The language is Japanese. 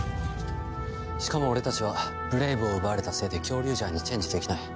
しかも俺たちはブレイブを奪われたせいでキョウリュウジャーにチェンジできない。